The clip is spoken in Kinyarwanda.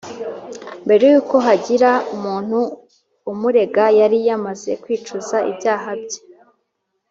mbere y’uko hagira umuntu umurega, yari yamaze kwicuza ibyaha bye